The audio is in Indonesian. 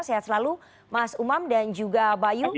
sehat selalu mas umam dan juga bayu